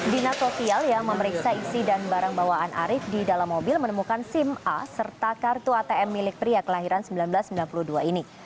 dina sosial yang memeriksa isi dan barang bawaan arief di dalam mobil menemukan sim a serta kartu atm milik pria kelahiran seribu sembilan ratus sembilan puluh dua ini